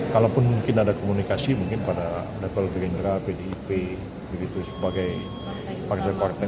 kalaupun mungkin ada komunikasi mungkin pada level gerindra pdip begitu sebagai partai partai